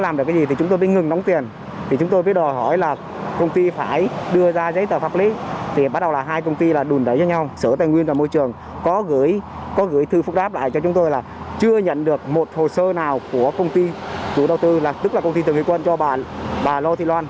một hồ sơ nào của công ty chủ đầu tư tức là công ty tường hy quân cho bà lo thi loan